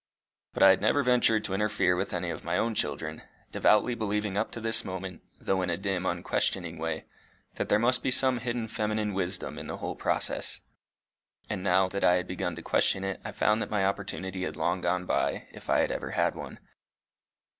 But I had never ventured to interfere with any of my own children, devoutly believing up to this moment, though in a dim unquestioning way, that there must be some hidden feminine wisdom in the whole process; and now that I had begun to question it, I found that my opportunity had long gone by, if I had ever had one.